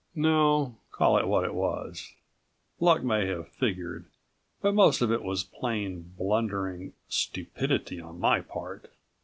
No, call it what it was. Luck may have figured, but most of it was plain blundering stupidity on my part.